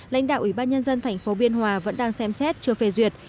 lãnh đạo ubnd thành phố biên hòa vẫn đang xem xét chưa phê duyệt